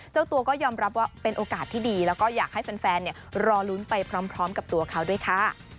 เจ้าตัวก็ยอมรับว่าเป็นโอกาสที่ดีแล้วก็อยากให้แฟนรอลุ้นไปพร้อมกับตัวเขาด้วยค่ะ